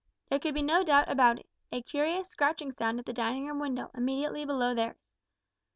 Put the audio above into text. There could be no doubt about it a curious scratching sound at the dining room window immediately below theirs.